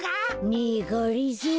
ねえがりぞー。